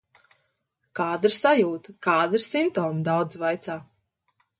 Kāda ir sajūta, kādi ir simptomi, daudzi vaicā?